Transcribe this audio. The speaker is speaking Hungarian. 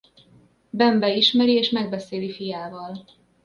Ben beismeri és megbeszéli fiával.